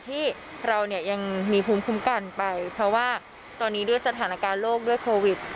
ที่เราเนี่ยยังมีภูมิคุ้มกันไปเพราะว่าตอนนี้ด้วยสถานการณ์โลกด้วยโควิด